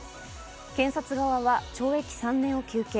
検察側は懲役３年を求刑。